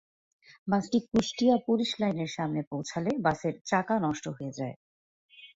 বাসটি কুষ্টিয়া পুলিশ লাইনের সামনে পৌঁছালে বাসের চাকা নষ্ট হয়ে যায়।